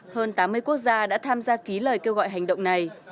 hơn tám mươi quốc gia đã tham gia ký lời kêu gọi hành động này